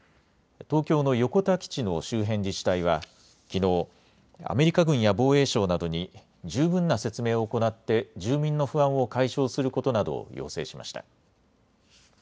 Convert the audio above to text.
東京の横田基地の周辺自治体はきのうアメリカ軍や防衛省などに十分な説明を行って住民の不安を解消することなどを要請しました。